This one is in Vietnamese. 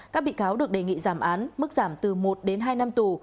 các bị cáo được đề nghị giảm án mức giảm từ một đến hai năm tù